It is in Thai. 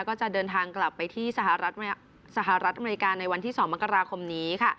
ก็จะเดินทางกลับไปที่สหรัฐอเมริกาในวันที่๒มกราคมนี้